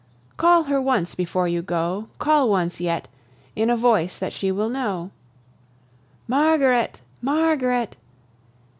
Call her once before you go Call once yet! In a voice that she will know: "Margaret! Margaret!"